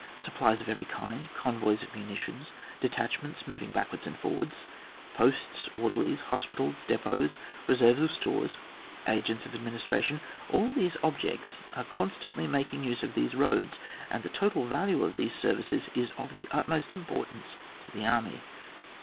Supplies of every kind, convoys of munitions, detachments moving back wards and forwards, posts, orderlies, hospitals, depots, reserves of stores, agents of administration, all these objects are constantly making use of these roads, and the total value of these services is of the utmost importance to the army.